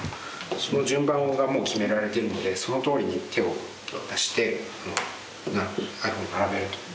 その順番がもう決められてるのでそのとおりに手を出して並べると。